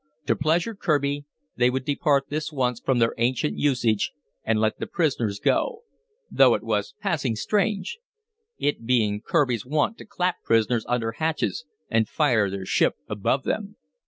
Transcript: To pleasure Kirby, they would depart this once from their ancient usage and let the prisoners go, though it was passing strange, it being Kirby's wont to clap prisoners under hatches and fire their ship above them.